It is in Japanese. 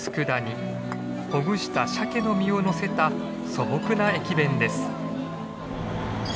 ほぐしたシャケの身をのせた素朴な駅弁です。